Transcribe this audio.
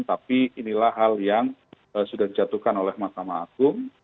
tapi inilah hal yang sudah dijatuhkan oleh mahkamah agung